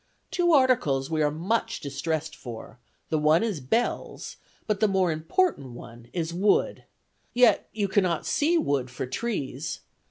Two articles we are much distressed for; the one is bells, but the more important one is wood. Yet you cannot see wood for trees.